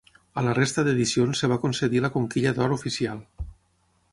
A la resta d'edicions es va concedir la Conquilla d'Or oficial.